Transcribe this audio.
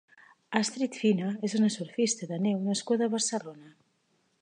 Astrid Fina és una surfista de neu nascuda a Barcelona.